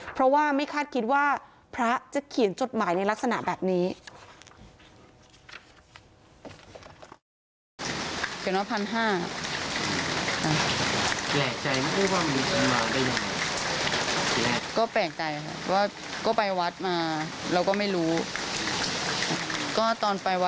เพราะว่าไม่คาดคิดว่าพระจะเขียนจดหมายในลักษณะแบบนี้